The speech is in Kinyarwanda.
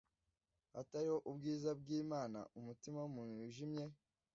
Hatariho ubwiza bwImana umutima wumuntu wijimye